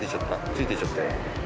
ついていっちゃったよ。